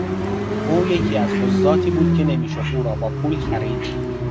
او یکی از قضاتی بود که نمیشد او را با پول خرید.